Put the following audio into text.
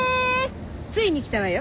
ついに来たわよ